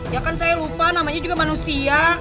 ya kan saya lupa namanya juga manusia